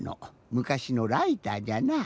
むかしのライターじゃなぁ。